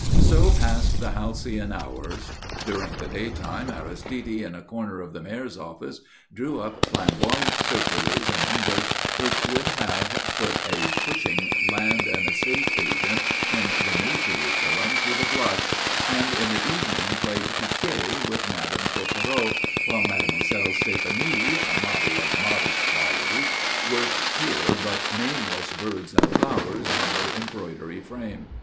So passed the halcyon hours. During the day time Aristide in a corner of the Mayor's office, drew up flamboyant circulars in English which would have put a pushing Land and Estate Agent in the New Jerusalem to the blush, and in the evening played piquet with Madame Coquereau, while Mademoiselle Stéphanie, model of modest piety, worked pure but nameless birds and flowers on her embroidery frame.